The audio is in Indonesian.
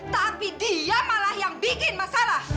tapi dia malah yang bikin masalah